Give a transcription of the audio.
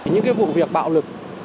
những cái vụ việc bạo lực